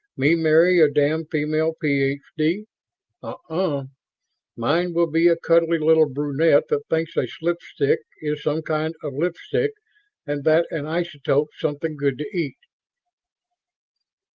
"Me marry a damned female Ph.D.? Uh uh. Mine will be a cuddly little brunette that thinks a slipstick is some kind of lipstick and that an isotope's something good to eat."